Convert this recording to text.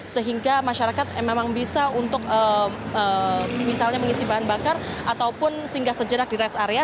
sehingga masyarakat memang bisa untuk misalnya mengisi bahan bakar ataupun singgah sejenak di rest area